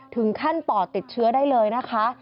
ถึงขั้นป่อติดเชื้อได้เลยนะคะ